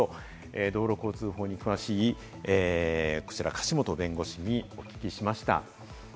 道路交通法に詳しい柏本弁護士にお聞きしました。